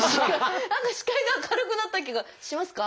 何か視界が明るくなった気がしますか？